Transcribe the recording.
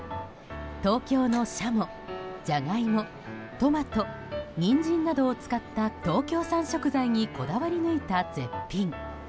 東京のシャモ、ジャガイモトマト、ニンジンなどを使った東京産食材にこだわり抜いた絶品。